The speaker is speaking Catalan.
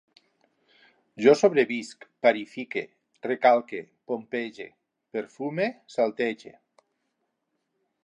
Jo sobrevisc, parifique, recalque, pompege, perfume, saltege